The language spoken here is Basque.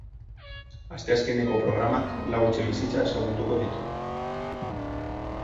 Asteazkeneko programak lau etxebizitza ezagutuko ditu.